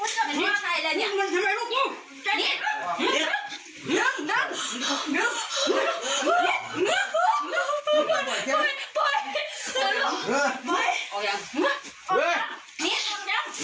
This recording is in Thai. แม่เชื่อว่าน่าจะไปถูกทำวิธีรับขันแต่รับขันนะอย่าถูกทำวิธีรับ